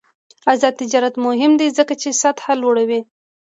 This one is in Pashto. آزاد تجارت مهم دی ځکه چې سطح لوړوي.